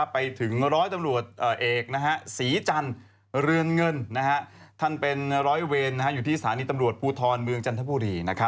ไปถึงร้อยตำรวจเอกศรีจันทร์เรือนเงินท่านเป็นร้อยเวรอยู่ที่สถานีตำรวจภูทรเมืองจันทบุรี